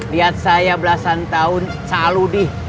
lihat saya belasan tahun caludi